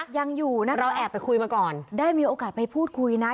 ยังอยู่นะคะได้มีโอกาสไปพูดคุยนะ